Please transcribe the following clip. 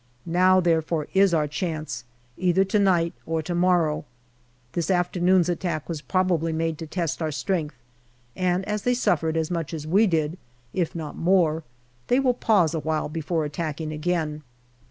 Now, therefore, is our chance, either to night or to morrow. This afternoon's attack was probably made to test our strength, and as they suffered as much as we did, if not more, they will pause awhile before attacking again.